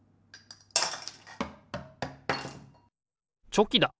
チョキだ！